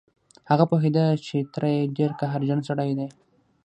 هغه پوهېده چې تره يې ډېر قهرجن سړی دی.